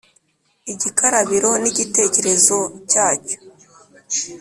igikarabiro n igitereko cyacyo